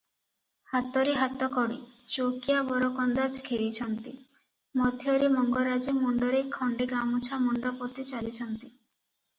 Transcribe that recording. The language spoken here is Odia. ହାତରେ ହାତକଡ଼ି, ଚୌକିଆ ବରକନ୍ଦାଜ ଘେରିଛନ୍ତି, ମଧ୍ୟରେ ମଙ୍ଗରାଜେ ମୁଣ୍ତରେ ଖଣ୍ତେ ଗାମୁଛା ମୁଣ୍ତପୋତି ଚାଲିଛନ୍ତି ।